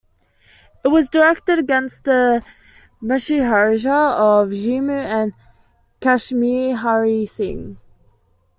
It was directed against the Maharaja of Jammu and Kashmir Hari Singh.